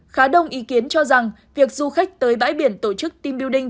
khá đông ý kiến cho rằng việc du khách tới bãi biển tổ chức team building